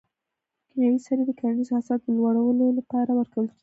کیمیاوي سرې د کرنیزو حاصلاتو د لوړولو لپاره ورکول کیږي.